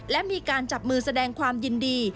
และมีการจับมือแสดงความยินดี